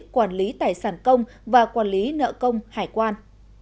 quản lý tài sản công và quản lý nợ công hải quan